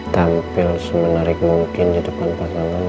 tampil semenarik mungkin di depan pasangan